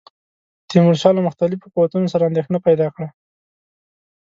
تیمورشاه له مختلفو قوتونو سره اندېښنه پیدا کړه.